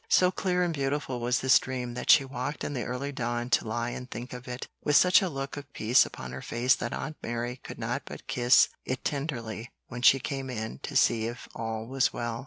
So clear and beautiful was this dream that she waked in the early dawn to lie and think of it, with such a look of peace upon her face that Aunt Mary could not but kiss it tenderly when she came in to see if all was well.